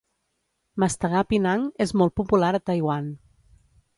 Mastegar pinang és molt popular a Taiwan.